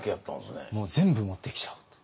もう全部持ってきちゃおうと。